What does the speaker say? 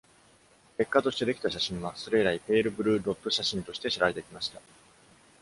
結果としてできた写真はそれ以来、ペイル・ブルー・ドット写真として知られてきました。